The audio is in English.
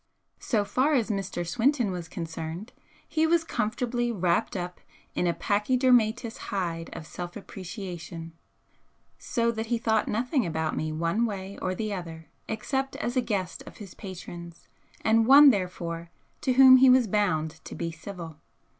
So far as Mr. Swinton was concerned, he was comfortably wrapped up in a pachydermatous hide of self appreciation, so that he thought nothing about me one way or the other except as a guest of his patrons, and one therefore to whom he was bound to be civil.